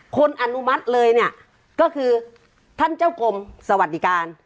อนุมัติเลยเนี่ยก็คือท่านเจ้ากรมสวัสดิการ